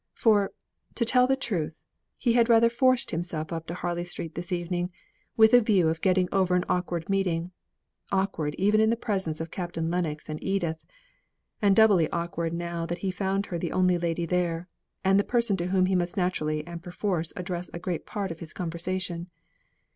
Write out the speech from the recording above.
For, to tell the truth, he had rather forced himself up to Harley Street this evening, with a view of getting over an awkward meeting, awkward even in the presence of Captain Lennox and Edith, and doubly awkward now that he found her the only lady there, and the person to whom he must naturally and perforce address a great part of his conversation.